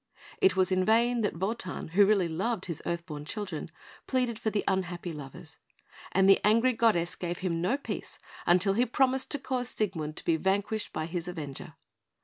It was in vain that Wotan, who really loved his earth born children, pleaded for the unhappy lovers; and the angry goddess gave him no peace until he promised to cause Siegmund to be vanquished by his avenger.